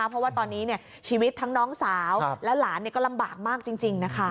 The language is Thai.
เพราะว่าตอนนี้ชีวิตทั้งน้องสาวและหลานก็ลำบากมากจริงนะคะ